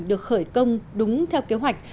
được khởi công đúng theo kế hoạch